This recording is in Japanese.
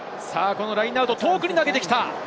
ラインアウト、遠くに投げてきた！